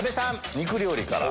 肉料理から。